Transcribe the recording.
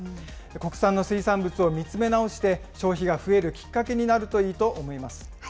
国産の水産物を見つめ直して、消費が増えるきっかけになるといいと思います。